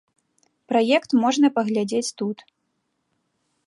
Праект можна паглядзець тут.